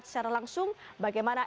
jika ada yang mau berbicara